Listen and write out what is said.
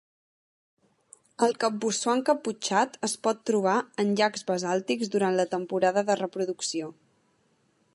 El cabussó encaputxat es pot trobar en llacs basàltics durant la temporada de reproducció.